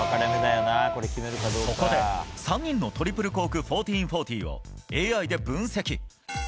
そこで３人のトリプルコーク１４４０をＡＩで分析。